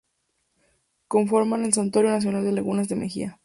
Conforman el Santuario Nacional de Lagunas de Mejía.